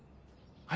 はい！